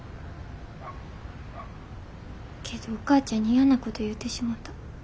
けどお母ちゃんに嫌なこと言うてしもた。